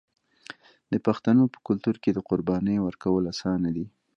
د پښتنو په کلتور کې د قربانۍ ورکول اسانه دي.